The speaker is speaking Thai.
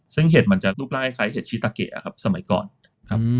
ซึ่งเห็ดมันจะรูปร่างคล้ายเห็ดชีตาเกะครับสมัยก่อนครับ